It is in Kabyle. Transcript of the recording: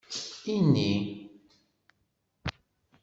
Ini.